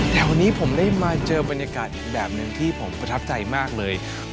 แต่วันนี้ผมได้มาเจอบรรยากาศอีกแบบหนึ่งที่ผมประทับใจมากเลย